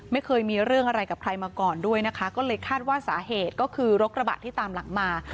ไม่เคยมีเรื่องอะไรกับใครมาก่อนด้วยนะคะก็เลยคาดว่าสาเหตุก็คือรถกระบะที่ตามหลังมา